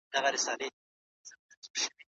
ایا ډاکټر د ناروغ سمه درملنه کړې ده؟